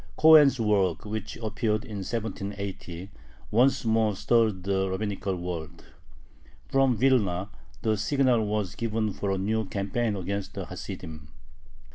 Cohen's work, which appeared in 1780, once more stirred the rabbinical world. From Vilna the signal was given for a new campaign against the Hasidim.